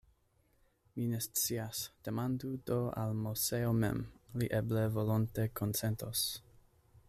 Mi ne scias; demandu do al Moseo mem, li eble volonte konsentos.